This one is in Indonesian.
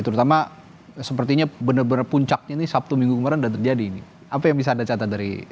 terutama sepertinya benar benar puncaknya ini sabtu minggu kemarin sudah terjadi ini apa yang bisa anda catat dari